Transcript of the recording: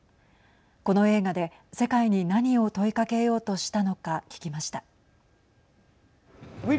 この映画で、世界に何を問いかけようとしたのか聞きました。